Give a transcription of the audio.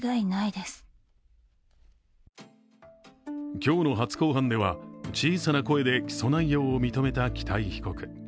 今日の初公判では小さな声で起訴内容を認めた北井被告。